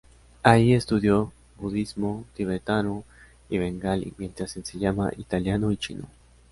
Ahí estudió budismo, tibetano y bengalí, mientras enseñaba italiano y chino.